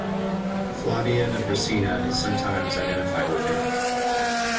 Flavian of Ricina is sometimes identified with him.